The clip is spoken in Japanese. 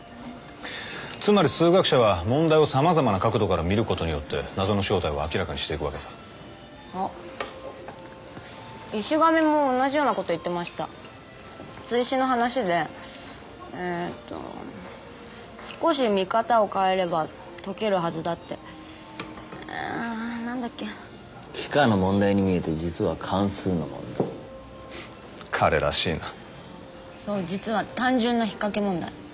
つまり数学者は問題を様々な角度から見ることによって謎の正体を明らかにしていくわけさあっ石神も同じようなこと言ってました追試の話でえーと少し見方を変えれば解けるはずだってあー何だっけな幾何の問題に見えて実は関数の問題彼らしいなそう実は単純な引っかけ問題